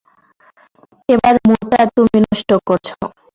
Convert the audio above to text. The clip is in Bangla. এবার মুডটা তুমি নষ্ট করছো।